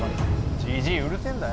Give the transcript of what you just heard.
「じじいうるせえんだよ」。